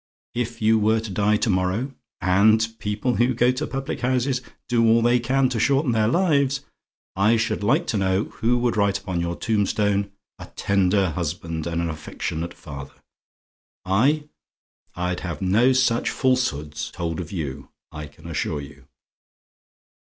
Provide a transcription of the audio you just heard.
If you were to die to morrow and people who go to public houses do all they can to shorten their lives I should like to know who would write upon your tombstone, 'A tender husband and an affectionate father'? I I'd have no such falsehoods told of you, I can assure you.